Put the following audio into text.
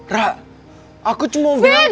ra aku cuma bilang